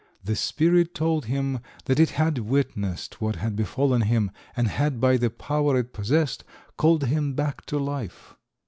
The spirit told him that it had witnessed what had befallen him, and had by the power it possessed called him back to life.